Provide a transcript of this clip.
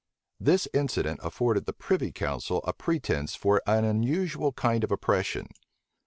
This incident afforded the privy council a pretence for an unusual kind of oppression.